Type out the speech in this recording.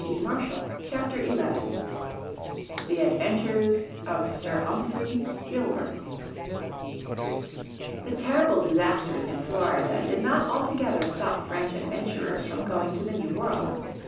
__________ Chapter 11 The Adventures of Sir Humphrey Gilbert The terrible disasters in Florida did not altogether stop French adventurers from going to the New World.